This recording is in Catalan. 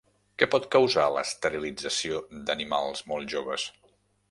Què pot causar l'esterilització d'animals molt joves?